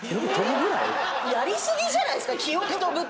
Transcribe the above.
⁉やり過ぎじゃないすか？